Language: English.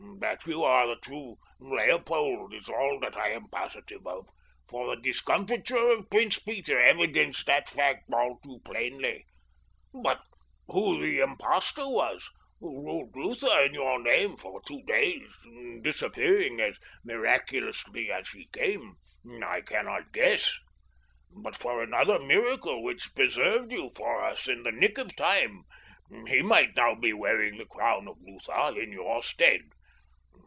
"That you are the true Leopold is all that I am positive of, for the discomfiture of Prince Peter evidenced that fact all too plainly. But who the impostor was who ruled Lutha in your name for two days, disappearing as miraculously as he came, I cannot guess. "But for another miracle which preserved you for us in the nick of time he might now be wearing the crown of Lutha in your stead.